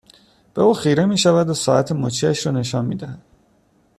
به او خیره میشود و ساعت مچیاش را نشان میدهد